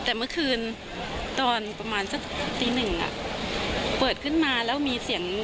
แต่เมื่อคืนตอนประมาณสักตีหนึ่งอ่ะเปิดขึ้นมาแล้วมีเสียง